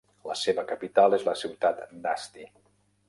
La seva capital és la ciutat d'Asti.